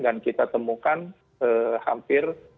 dan kita temukan hampir tiga ratus orang